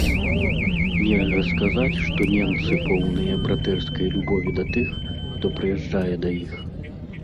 Нельга сказаць, што ненцы поўныя братэрскай любові да тых, хто прыязджае да іх.